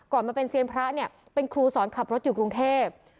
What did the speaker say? มาเป็นเซียนพระเนี่ยเป็นครูสอนขับรถอยู่กรุงเทพ